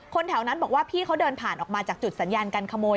แถวนั้นบอกว่าพี่เขาเดินผ่านออกมาจากจุดสัญญาการขโมย